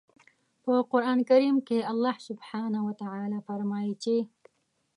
په قرآن کریم کې الله سبحانه وتعالی فرمايي چې